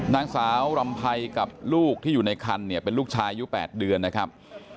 นางสาวรำไพรกับลูกที่อยู่ในคันเนี่ยเป็นลูกชายอายุ๘เดือนนะครับ